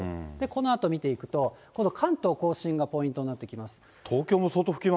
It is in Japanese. このあと見ていくと、今度、関東甲信がポイントになってきます。